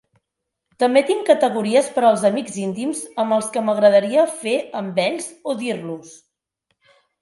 També tinc categories per als amics íntim amb el que m'agradaria fer amb ells o dir-los.